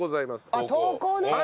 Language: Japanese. あっ投稿ね。